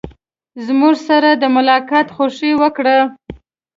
زموږ سره د ملاقات خوښي وکړه.